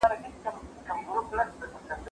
هغه وويل چي لاس مينځل مهم دي!؟